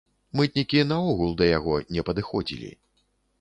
Мытнікі наогул да яго не падыходзілі.